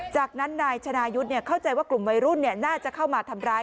จากนั้นนายชนายุทธ์เข้าใจว่ากลุ่มวัยรุ่นน่าจะเข้ามาทำร้าย